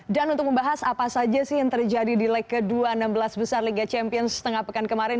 untuk membahas apa saja sih yang terjadi di leg kedua enam belas besar liga champions setengah pekan kemarin